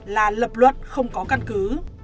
là lập luật không có căn cứ